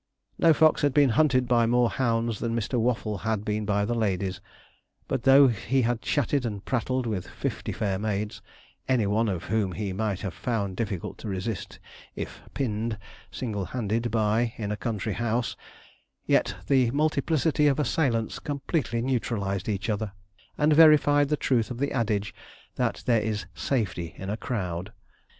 No fox had been hunted by more hounds than Waffles had been by the ladies; but though he had chatted and prattled with fifty fair maids any one of whom he might have found difficult to resist, if 'pinned' single handed by, in a country house, yet the multiplicity of assailants completely neutralized each other, and verified the truth of the adage that there is 'safety in a crowd.'